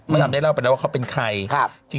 เมื่อเราได้เล่าไปแล้วว่าเขาเป็นใคร